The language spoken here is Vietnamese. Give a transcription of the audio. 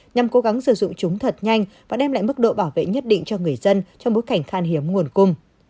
nhằm cố gắng sử dụng chúng thật nhanh và đem lại mức độ bảo vệ nhất định cho người dân trong bối cảnh khan hiếm nguồn cung